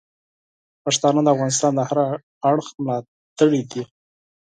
پښتانه د افغانستان د هر اړخ ملاتړي دي.